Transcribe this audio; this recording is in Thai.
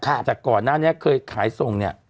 แต่ก่อนหน้านี้เคยขายส่งเนี่ย